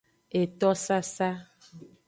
Etosasa.